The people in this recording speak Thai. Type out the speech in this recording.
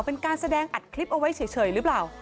เป็นการแสดงอัดคลิปเอาไว้เฉยหรือเปล่า